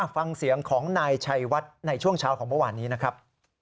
ฟังเสียงของนายชัยวัดในช่วงเช้าของเมื่อวานนี้นะครับ